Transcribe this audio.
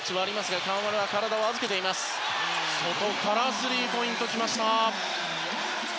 スリーポイント来ました。